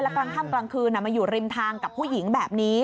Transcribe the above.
กลางค่ำกลางคืนมาอยู่ริมทางกับผู้หญิงแบบนี้